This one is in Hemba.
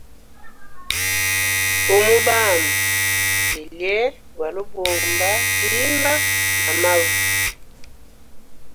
Umbambo vilye gwali ubamba timba na mavu.